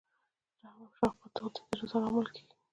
رحم او شفقت د خدای د رضا لامل کیږي.